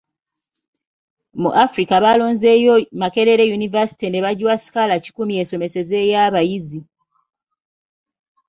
Mu Africa baalonzeeyo Makerere University ne bagiwa sikaala kikumi esomesezeeyo abayizi.